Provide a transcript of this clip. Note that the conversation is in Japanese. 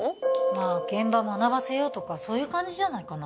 まあ現場学ばせようとかそういう感じじゃないかな？